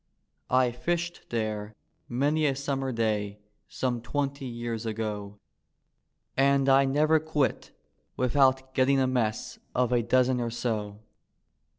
I fished there many a Summer day some twenty years ago. And I never quit without getting a mess of a dozen or so.